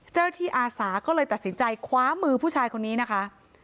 อาสาก็เลยตัดสินใจคว้ามือผู้ชายคนนี้นะคะ